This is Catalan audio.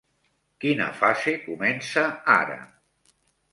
Quina fase comença ara?